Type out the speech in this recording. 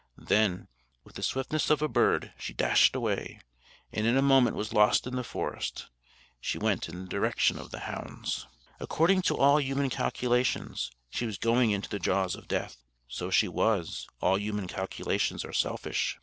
Then, with the swiftness of a bird, she dashed away, and in a moment was lost in the forest. She went in the direction of the hounds. According to all human calculations, she was going into the jaws of death. So she was: all human calculations are selfish.